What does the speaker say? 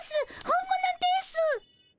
本物です。